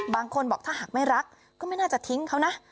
บางคนบอกถ้าหากไม่รักก็ไม่น่าจะทิ้งเขานะ